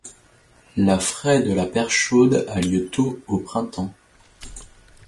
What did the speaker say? La fraie de la perchaude a lieu tôt au printemps.